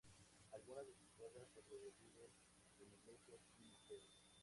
Algunas de sus obras sobreviven en iglesias y museos.